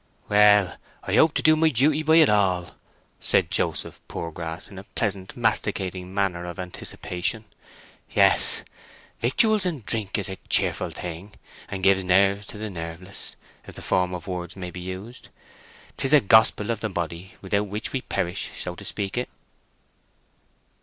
"Well, I hope to do my duty by it all," said Joseph Poorgrass, in a pleasant, masticating manner of anticipation. "Yes; victuals and drink is a cheerful thing, and gives nerves to the nerveless, if the form of words may be used. 'Tis the gospel of the body, without which we perish, so to speak it."